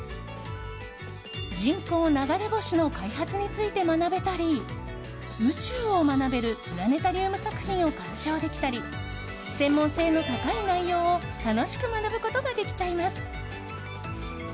人工流れ星の開発について学べたり宇宙を学べるプラネタリウム作品を鑑賞できたり専門性の高い内容を楽しく学ぶことができちゃいます。